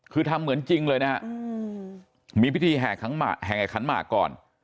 คือทำเหมือนจริงเลยนะฮะมีพิธีแห่ขันหมากก่อน